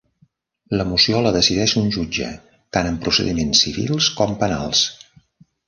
La moció la decideix un jutge tant en procediments civils com penals.